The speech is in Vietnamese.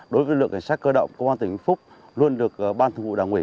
đối với lực lượng cảnh sát cơ động công an tỉnh vĩnh phúc luôn được ban thủ đảng ủy